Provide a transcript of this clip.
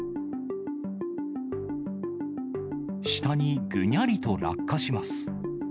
下にぐにゃりと落下します。